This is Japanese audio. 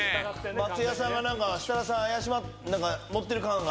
松也さんが何か設楽さん持ってる感が。